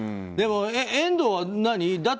でも遠藤は何？